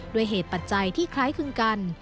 ด้วยเหตุปัจจัยที่คล้ายคลึงกัน